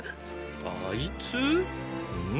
あいつ？ん。